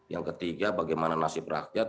yang ketiga bagaimana nasib rakyat